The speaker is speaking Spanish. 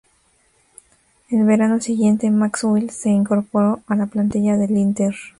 El verano siguiente, Maxwell se incorporó a la plantilla del Inter.